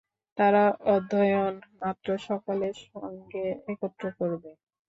তারা অধ্যয়ন-মাত্র সকলের সঙ্গে একত্র করবে।